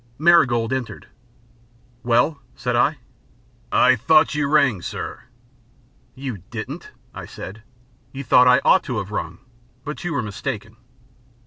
Marigold entered. "Well?" said I. "I thought you rang, sir." "You didn't," I said. "You thought I ought to have rung, But you were mistaken."